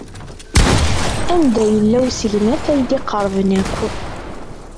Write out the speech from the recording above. Anda yella usegnaf ay d-iqerben akk?